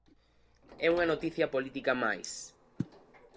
E unha noticia política máis.